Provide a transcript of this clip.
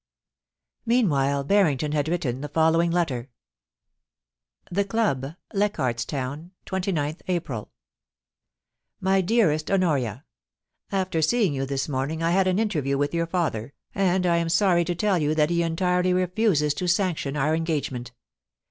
Meanwhile Barrington had written the following letter :* The Club, Leichardt's Town, * 29/// April. *My DEAREST HONORIA, * After seeing you this morning I had an interview with your father, and am sorry to tell you that he entirely refuses to sanction our engagement.